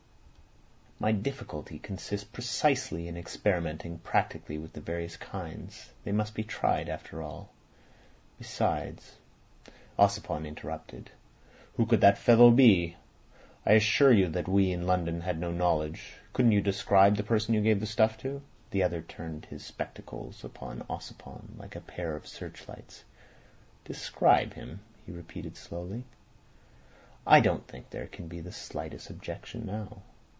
"My difficulty consists precisely in experimenting practically with the various kinds. They must be tried after all. Besides—" Ossipon interrupted. "Who could that fellow be? I assure you that we in London had no knowledge—Couldn't you describe the person you gave the stuff to?" The other turned his spectacles upon Ossipon like a pair of searchlights. "Describe him," he repeated slowly. "I don't think there can be the slightest objection now.